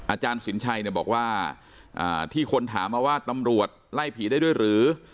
อาจารย์สินชัยบอกว่าที่คนถามมาว่าตำรวจไล่ผีได้ด้วยหรือ